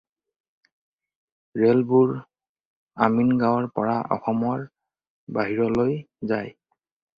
ৰেলবোৰ আমিনগাওঁৰ পৰা অসমৰ বাহিৰলৈ যায়।